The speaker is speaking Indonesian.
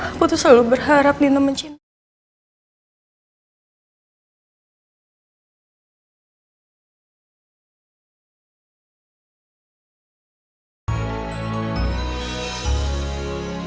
aku tuh selalu berharap lina mencintai